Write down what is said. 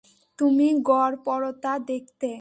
তুমি গড়পড়তা দেখতে।